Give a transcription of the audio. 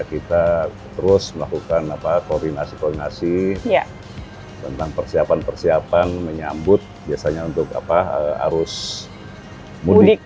kita terus melakukan koordinasi koordinasi tentang persiapan persiapan menyambut biasanya untuk arus mudik